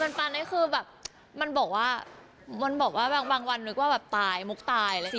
ปันปันนะคือแบบมันบอกว่าบางวันมึกว่าตายมุกตายเลย